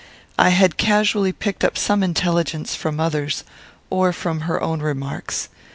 I had casually picked up some intelligence, from others, or from her own remarks.